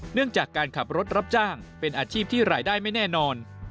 เนื่องจากการขับรถรับจ้างเป็นอาชีพที่รายได้ไม่แน่นอน